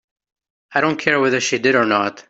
I don't care whether she did or not.